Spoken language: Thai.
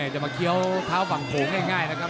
จะมาเคี้ยวเท้าฝั่งโขงง่ายนะครับ